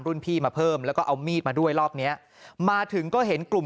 พี่มาเพิ่มแล้วก็เอามีดมาด้วยรอบเนี้ยมาถึงก็เห็นกลุ่ม